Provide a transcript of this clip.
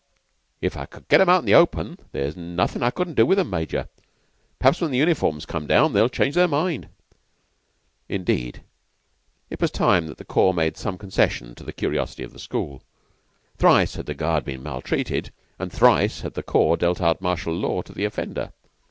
"If I could get 'em out into the open, there's nothing I couldn't do with 'em, Major. Perhaps when the uniforms come down, they'll change their mind." Indeed it was time that the corps made some concession to the curiosity of the school. Thrice had the guard been maltreated and thrice had the corps dealt out martial law to the offender.